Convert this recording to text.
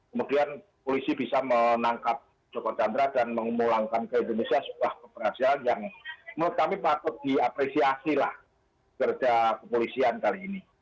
kemudian polisi bisa menangkap joko chandra dan memulangkan ke indonesia sebuah keberhasilan yang menurut kami patut diapresiasi lah kerja kepolisian kali ini